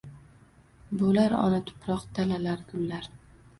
Bo’lar ona tuproq, dalalar, gullar.